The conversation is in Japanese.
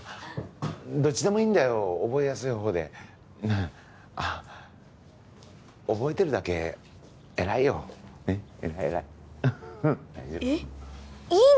どっちでもいいんだよ覚えやすい方で覚えてるだけ偉いよねっ偉い偉いえっいいの？